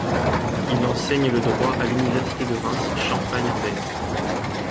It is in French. Il enseigne le droit à l'université de Reims Champagne-Ardenne.